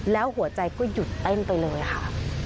แล้วหัวใจก็หยุดเต้นไปเลยค่ะ